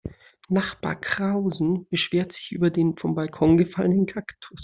Nachbar Krause beschwerte sich über den vom Balkon gefallenen Kaktus.